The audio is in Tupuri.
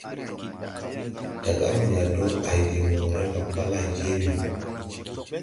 Daga à mo yãã dɔɔ bay de woʼré ga pa lay je ɓi.